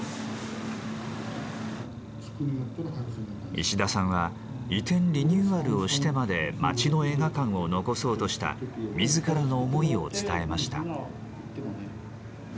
石田さんは移転リニューアルをしてまで街の映画館を残そうとした自らの思いを伝えました。